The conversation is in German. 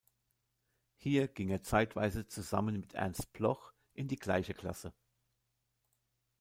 Hier ging er zeitweise zusammen mit Ernst Bloch in die gleiche Klasse.